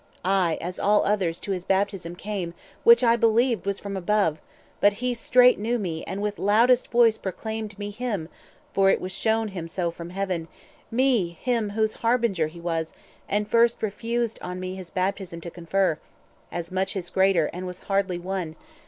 I, as all others, to his baptism came, Which I believed was from above; but he Straight knew me, and with loudest voice proclaimed Me him (for it was shewn him so from Heaven)— Me him whose harbinger he was; and first Refused on me his baptism to confer, As much his greater, and was hardly won.